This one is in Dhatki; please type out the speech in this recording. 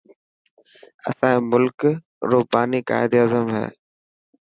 اسائي ملڪ روٻاني قائد اعظم هي.